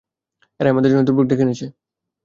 এরাই আমাদের জন্য দুর্ভাগ্য ডেকে এনেছে!